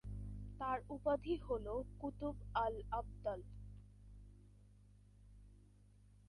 তার উপাধি হল "কুতুব আল-আবদাল"।